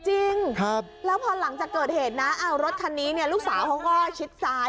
จริงแล้วพอหลังจากเกิดเหตุนะรถคันนี้เนี่ยลูกสาวเขาก็ชิดซ้าย